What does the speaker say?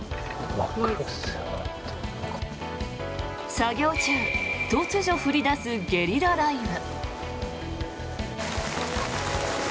作業中、突如降り出すゲリラ雷雨。